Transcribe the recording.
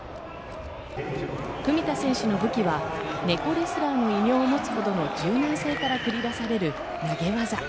文田選手の武器は猫レスラーの異名を持つほどの柔軟性から繰り出される投げ技。